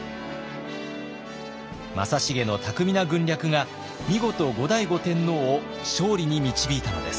正成の巧みな軍略が見事後醍醐天皇を勝利に導いたのです。